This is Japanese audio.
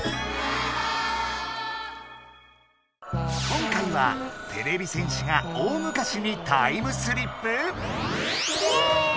今回はてれび戦士が大昔にタイムスリップ⁉イエーイ！